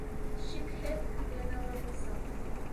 Шикһеҙ, яҙалатасаҡ!